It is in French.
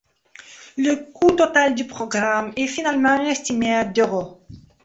Le coût total du programme est finalement estimé à d'euros.